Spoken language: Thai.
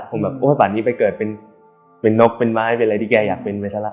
ผมแบบโอ๊ยป่ะนี่ไปเกิดเป็นเป็นนกเป็นไม้เป็นอะไรที่แกอยากเป็นไหมฉันล่ะ